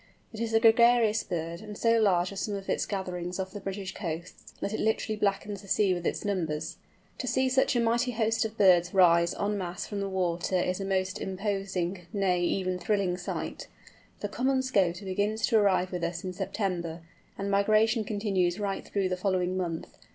It is a gregarious bird, and so large are some of its gatherings off the British coasts, that it literally blackens the sea with its numbers. To see such a mighty host of birds rise en masse from the water is a most imposing, nay, even a thrilling sight. The Common Scoter begins to arrive with us in September, and the migration continues right through the following month.